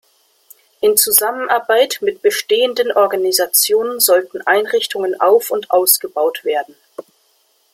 In Zusammenarbeit mit bestehenden Organisationen sollen Einrichtungen auf- und ausgebaut werden.